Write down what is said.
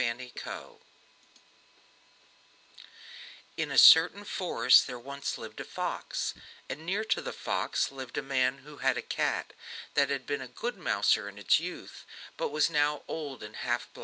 NESBIT BAIN In a certain forest there once lived a fox, and near to the fox lived a man who had a cat that had been a good mouser in its youth, but was now old and half blind.